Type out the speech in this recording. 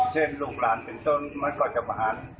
เช่นลูกหลานเป็นต้นมันก็จะประหาร